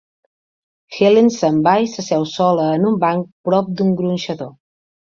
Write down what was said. Helen se'n va i s'asseu sola en un banc prop d'un gronxador.